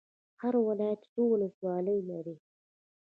هر ولایت څو ولسوالۍ لري؟